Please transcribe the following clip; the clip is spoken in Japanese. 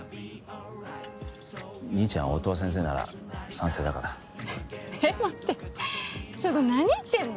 兄ちゃん音羽先生なら賛成だからえ待ってちょっと何言ってんの？